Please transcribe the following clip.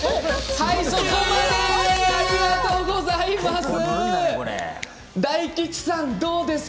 ありがとうございます。